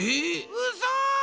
うそ！